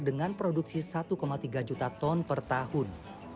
dengan produksi satu tiga juta ton per tahun